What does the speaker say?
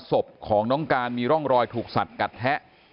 ศพของน้องการมีร่องรอยถูกสัดกัดแทะ